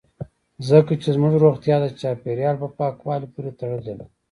ځکه چې زموږ روغتیا د چاپیریال په پاکوالي پورې تړلې ده